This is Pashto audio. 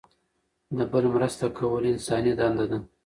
د بل مرسته کول انساني دنده ده.